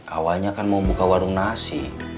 awalnya kan mau buka warung nasi